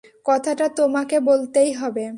কথাটা তোমাকে বলতেই হবে।